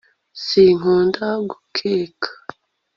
s sinkunda gukeka